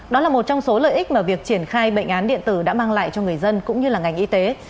đó là một trong số lợi ích mà việc triển khai bệnh án điện tử đã mang lại cho người dân cũng như là ngành y tế